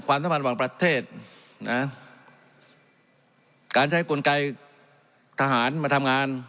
ความสะพานบางประเทศนะการใช้กลไกรทหารมาทำงาน